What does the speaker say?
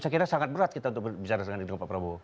saya kira sangat berat kita untuk berbicara dengan pak prabowo